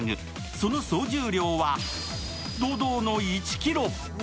その総重量は堂々の１ｋｇ。